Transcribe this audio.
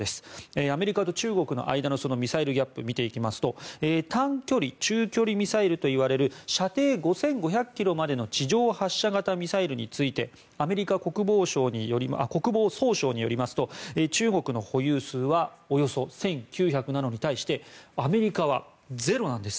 アメリカと中国の間のミサイルギャップを見ていきますと短距離・中距離ミサイルといわれる射程５５００ｋｍまでの地上発射型ミサイルについてアメリカ国防総省によりますと中国の保有数はおよそ１９００なのに対してアメリカは０なんです。